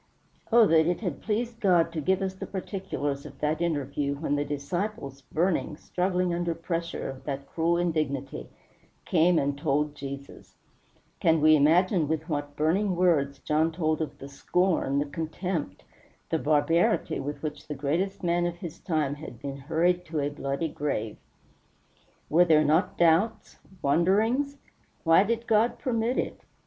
Oh that it had pleased God to give us the particulars of that interview when the disciples, burning, struggling under pressure of that cruel indignity, came and told Jesus! Can we imagine with what burning words John told of the scorn, the contempt, the barbarity with which the greatest man of his time had been hurried to a bloody grave? Were there not doubts wonderings? Why did God permit it?